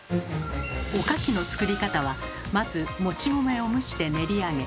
おかきの作り方はまずもち米を蒸して練り上げ